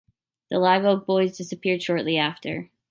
The Live Oak Boys disappeared shortly after.